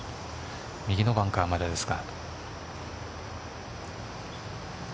右のバンカーまでですが。